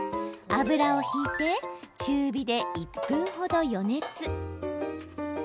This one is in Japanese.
油を引いて中火で１分程予熱。